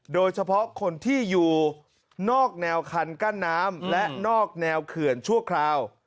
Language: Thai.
โดยเฉพาะคนที่อยู่นอกแนวคันกั้นน้ำและนอกแนวเขื่อนชั่วคราว